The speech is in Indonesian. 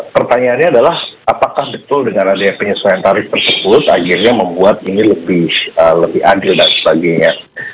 pertanyaannya adalah apakah betul dengan adanya penyesuaian tarif tersebut akhirnya membuat ini lebih adil dan sebagainya